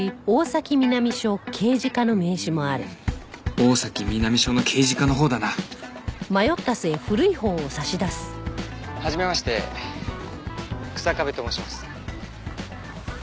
大崎南署の刑事課のほうだなはじめまして草壁と申します。